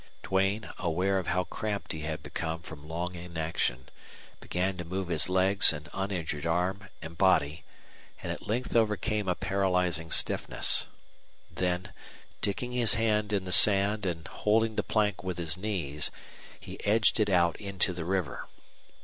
Duane, aware of how cramped he had become from long inaction, began to move his legs and uninjured arm and body, and at length overcame a paralyzing stiffness. Then, digging his hand in the sand and holding the plank with his knees, he edged it out into the river.